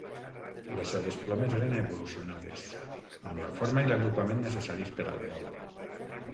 Les seves plomes eren evolucionades, amb la forma i l'agrupament necessaris per al vol.